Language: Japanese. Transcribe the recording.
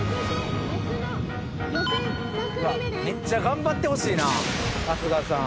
「めっちゃ頑張ってほしいな春日さん」